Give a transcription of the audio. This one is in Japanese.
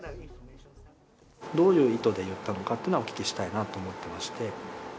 どういう意図で言ったのかというのはお聞きしたいなと思っていまして。